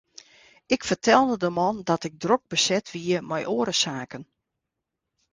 Ik fertelde de man dat ik drok beset wie mei oare saken.